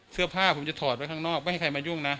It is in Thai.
เสื้อผ้าผมจะถอดไว้ข้างนอกไม่ให้ใครมายุ่งนะ